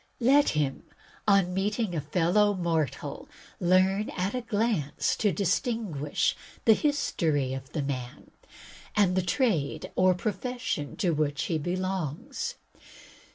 Let him, on meeting a fellow mortal, learn at a glance to distinguish the history of the man, and the trade or profession to which he belongs.